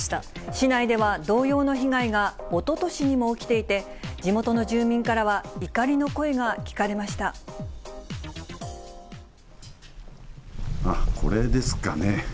市内では同様の被害がおととしにも起きていて、地元の住民からは、あっ、これですかね。